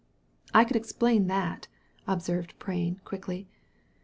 "I can explain that," observed Prain, quickly.